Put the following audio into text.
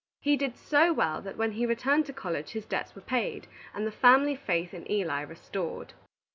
He did so well that when he returned to college his debts were paid, and the family faith in Eli restored.